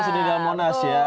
masih di dalam monas ya